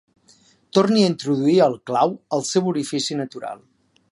Torni a introduir el clau al seu orifici natural.